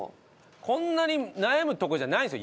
こんなに悩むとこじゃないんですよ